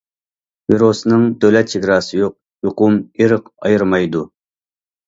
ۋىرۇسنىڭ دۆلەت چېگراسى يوق، يۇقۇم ئىرق ئايرىمايدۇ.